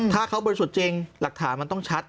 ถ้าเขาบริสุทธิ์จริงหลักฐานมันต้องชัด